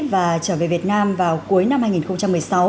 và trở về việt nam vào cuối năm hai nghìn một mươi sáu